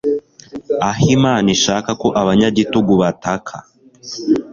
aho Imana ishaka ko abanyagitugu bataka